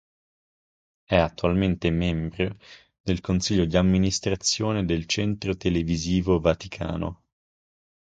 È attualmente membro del Consiglio di amministrazione del Centro Televisivo Vaticano.